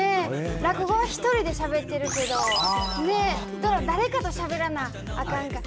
落語は１人でしゃべってるけど誰かとしゃべらなあかんから。